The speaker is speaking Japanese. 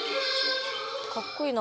かっこいいな。